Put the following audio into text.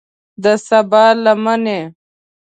د سبا لمنې